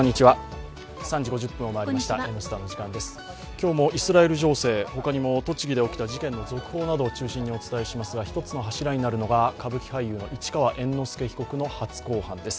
今日もイスラエル情勢、他にも栃木で起きた事件の続報などをお伝えしますが１つの柱になるのが歌舞伎俳優の市川猿之助被告の初公判です。